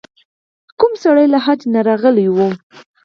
کوم سړی له حج نه راغلی و.